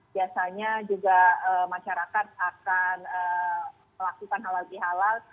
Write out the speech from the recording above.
biasanya juga masyarakat akan melakukan halal di halal